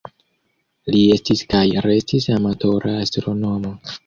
Li estis kaj restis amatora astronomo.